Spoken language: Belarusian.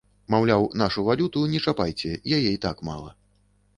Маўляў, нашу валюту не чапайце, яе і так мала.